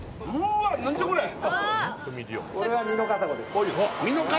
これがミノカサゴです。